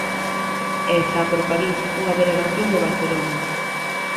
E está por París unha delegación do Barcelona.